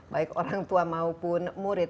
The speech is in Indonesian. baik orang tua maupun murid